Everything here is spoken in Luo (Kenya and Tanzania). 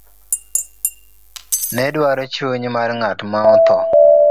nedwaro chuny mar ng'at ma odho